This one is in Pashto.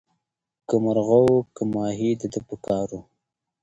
که مرغه وو که ماهی د ده په کار وو